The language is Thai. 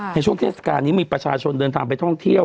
ในช่วงเทศกาลนี้มีประชาชนเดินทางไปท่องเที่ยว